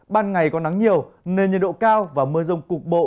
ban ngày có nắng nhiều nên nhiệt độ cao và mưa rông cục bộ